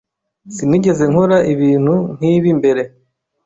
Sinigeze nkora ibintu nk'ibi mbere.